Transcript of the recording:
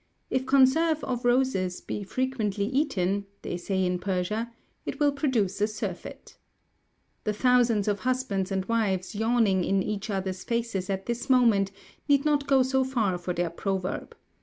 'If conserve of roses be frequently eaten.' they say in Persia, 'it will produce a surfeit.' The thousands of husbands and wives yawning in each other's faces at this moment need not go so far for their proverb.